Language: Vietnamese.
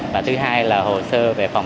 và thứ hai là hồ sơ